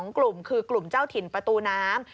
๒กลุ่มคือกลุ่มเจ้าถิ่นประตูน้ำ